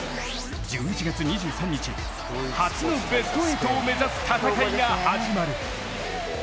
１１月２３日、初のベスト８を目指す戦いが始まる。